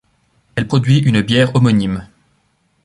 Elle produit une bière homonyme.